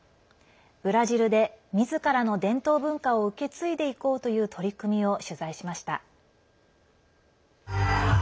ブラジルでみずからの伝統文化を受け継いでいこうという取り組みを取材しました。